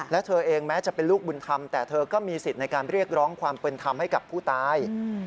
และเธอเองแม้จะเป็นลูกบุญธรรมแต่เธอก็มีสิทธิ์ในการเรียกร้องความเป็นธรรมให้กับผู้ตาย